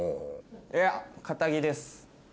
いや堅気です。